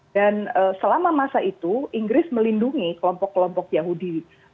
dan selama masa itu inggris melindungi kelompok kelompok yahudi